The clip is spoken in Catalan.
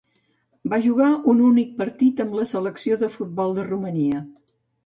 Va jugar un únic partit amb la selecció de futbol de Romania.